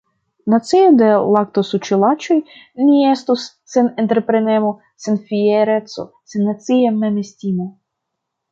Nacio de laktosuĉulaĉoj ni estus, sen entreprenemo, sen fiereco, sen nacia memestimo.